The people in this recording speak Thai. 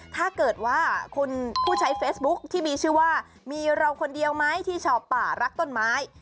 ถ้าเกิดว่าคุณผู้ใช้เฟซบุ๊คที่มีชื่อว่ามีเราคนเดียวไหมที่ชอบป่ารักต้นไม้